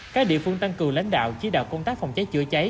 các địa phương tăng cường lãnh đạo chỉ đạo công tác phòng cháy chữa cháy